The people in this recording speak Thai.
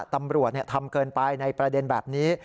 ตำรวจทำเกินไปในประเด็นแบบนี้